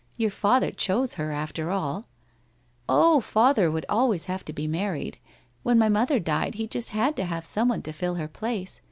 Your father chose her after all !'' Oh, father would always have to be married. When my mother died he just had to have someone to fill her place.